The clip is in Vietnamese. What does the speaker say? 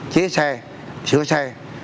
chế xe sửa xe